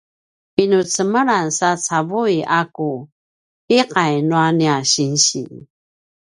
pinucemelan sa cavui a ku pi’ay nua nia sinsi